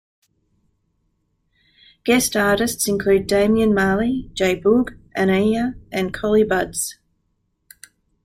Guest artists include Damian Marley, J Boog, Anuhea, and Collie Buddz.